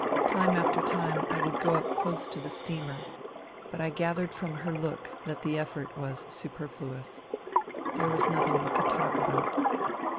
Time after time I would go up close to the steamer ; but I gathered from her look that the effort was super fluous : there was nothing we could talk about.